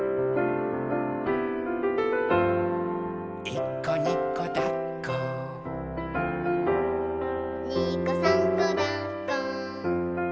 「いっこにこだっこ」「にこさんこだっこ」